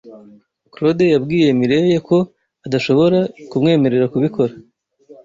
Claude yabwiye Mirelle ko adashobora kumwemerera kubikora.